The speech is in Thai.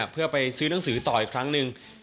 เพื่อไปซื้อหนังสือต่ออีกครั้งหนึ่ง